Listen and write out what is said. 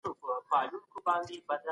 مذهب وپېژنه.